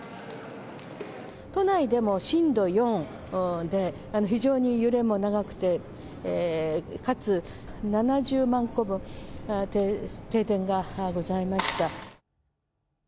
都内でも震度４で、非常に揺れも長くて、かつ７０万戸、停電がございました。